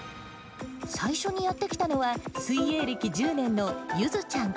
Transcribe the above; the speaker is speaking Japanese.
最初にやって来たのは、水泳歴１０年のゆづちゃん。